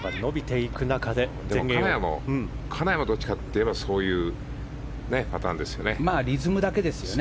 金谷もどちらかというとそういうパターンですよね。